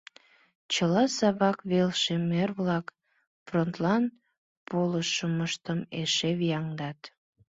Чыла Савак вел шемер-влак фронтлан полшымыштым эше вияҥдат.